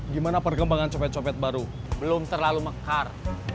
gimana perkembangan copet copet baru belum terlalu mekar